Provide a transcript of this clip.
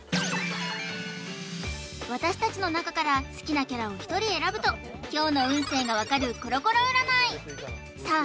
私たちの中から好きなキャラを１人選ぶと今日の運勢が分かるコロコロ占いさあ